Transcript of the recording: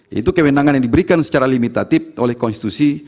yaitu kewenangan yang diberikan secara limitatif oleh konstitusi